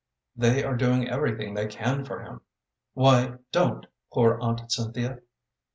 "They are doing everything they can for him. Why, don't, poor Aunt Cynthia!"